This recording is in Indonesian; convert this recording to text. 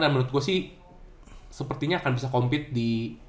dan menurut gue sih sepertinya akan bisa compete di